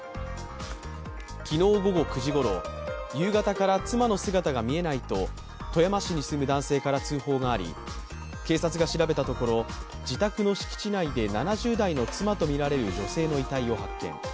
昨日午後９時ごろ、夕方から妻の姿が見えないと富山市に住む男性から通報があり、警察が調べたところ自宅の敷地内で７０代の妻とみられる女性の遺体を発見。